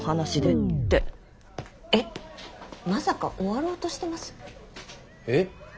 まさか終わろうとしてます？え？